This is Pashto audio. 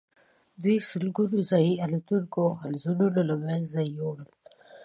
دوی سلګونه ځايي الوتونکي او حلزون له منځه یوړل.